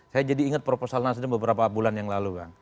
saya jadi inget proposal nasdem beberapa bulan yang lalu